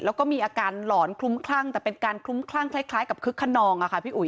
แล้วก็มีอาการหลอนคลุ้มคลั่งแต่เป็นการคลุ้มคลั่งคล้ายกับคฤกษณองค์